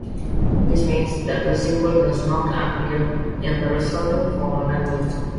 This means that the symbol does not appear in the resulting formal language.